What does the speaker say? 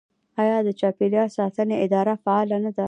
آیا د چاپیریال ساتنې اداره فعاله نه ده؟